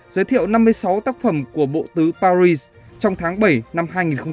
giới thiệu năm mươi sáu tác phẩm của bộ tứ paris trong tháng bảy năm hai nghìn hai mươi